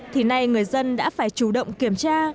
thì nay người dân đã phải chủ động kiểm tra